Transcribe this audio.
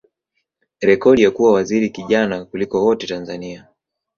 rekodi ya kuwa waziri kijana kuliko wote Tanzania.